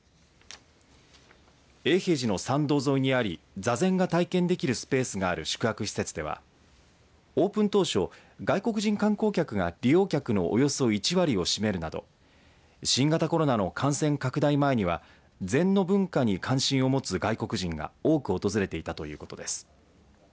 永平寺の参道沿いにあり座禅が体験できるスペースがある宿泊施設ではオープン当初、外国人観光客が利用客のおよそ１割を占めるなど新型コロナの感染拡大前には禅の文化に関心を持つ外国人が多く訪れていたということです。